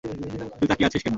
তুই তাকিয়ে আছিস কেন?